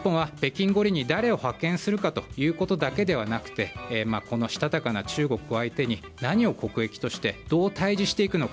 日本は北京五輪に誰を派遣するかということだけではなくてこのしたたかな中国を相手に何を国益としてどう対峙していくのか。